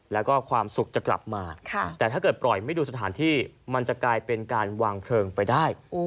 แล้วก็ความสุขจะกลับมาแต่ถ้าเกิดปล่อยไม่ดูสถานที่มันจะกลายเป็นการวางเพลิงไปได้